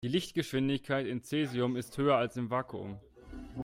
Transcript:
Die Lichtgeschwindigkeit in Cäsium ist höher als im Vakuum.